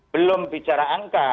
belum bicara angka